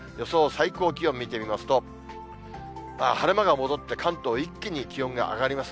最高気温見てみますと、晴れ間が戻って、関東一気に気温が上がります。